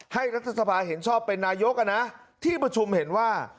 รัฐสภาเห็นชอบเป็นนายกที่ประชุมเห็นว่า